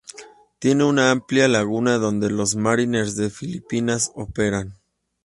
Tiene una amplia laguna donde los Marines de Filipinas operan.